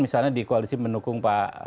misalnya di koalisi mendukung